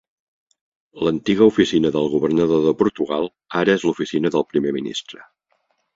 L'antiga oficina del governador de Portugal ara és l'oficina del primer ministre.